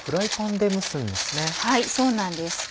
はいそうなんです。